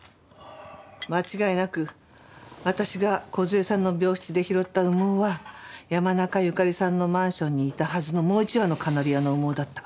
間違いなく私が梢さんの病室で拾った羽毛は山中由佳里さんのマンションにいたはずのもう一羽のカナリアの羽毛だった。